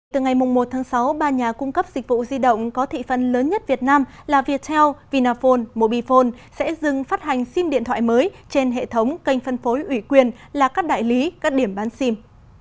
từ ngày một tháng sáu ba nhà cung cấp dịch vụ di động có thị phần lớn nhất việt nam là viettel vinaphone mobifone sẽ dừng phát hành sim điện thoại mới trên hệ thống kênh phân phối ủy quyền là các đại lý các điểm bán sim